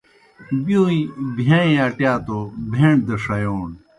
بِیؤݩئے بِہَان٘ئیں اٹِیا توْ بہیݨ دہ ݜیوݨ۔